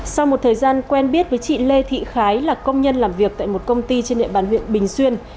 sau một thời gian quen biết với chị lê thị khái là công nhân làm việc tại một công ty trên địa bàn huyện bình xuyên